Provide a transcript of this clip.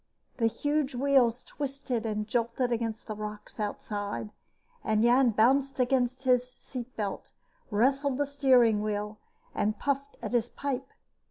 The huge wheels twisted and jolted against the rocks outside, and Jan bounced against his seat belt, wrestled the steering wheel and puffed at his pijp.